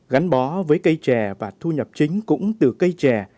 gắn bó với cây trè và thu nhập chính cũng từ cây chè